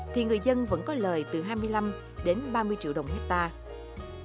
thì người dân vẫn có lời từ hai mươi năm đến ba mươi triệu đồng hectare